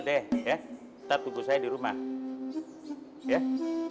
udah pulang aja dulu deh